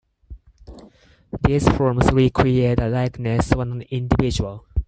These forms recreate the likeness of an individual.